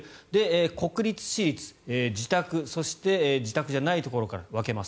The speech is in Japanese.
国立、私立、自宅そして自宅じゃないところから分けます。